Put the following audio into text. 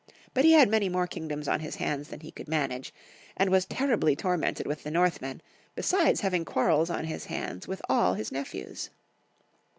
but he had many more kingdoms on his hands than he could manage, and was terribly tormented with the Northmen, besides having quarrels on his hands with all his nephews.